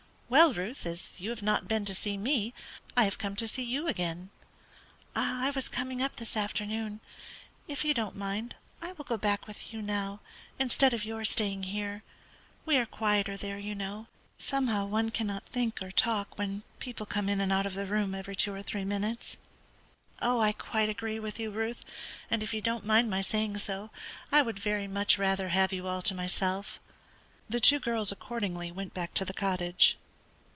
"Well, Ruth, as you have not been to see me, I have come to see you again." "I was coming up this afternoon. If you don't mind, I will go back with you now, instead of your staying here. We are quieter there, you know. Somehow, one cannot think or talk when people come in and out of the room every two or three minutes." "I quite agree with you, Ruth, and, if you don't mind my saying so, I would very much rather have you all to myself." The two girls accordingly went back to the cottage.